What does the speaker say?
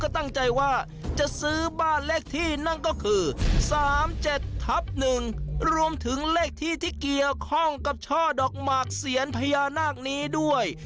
ทับหนึ่งรวมถึงเลขที่ที่เกี่ยวข้องกับช่อดอกหมากเซียนพญานาคนี้ด้วย